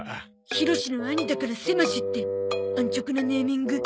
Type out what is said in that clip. ひろしの兄だからせましって安直なネーミング。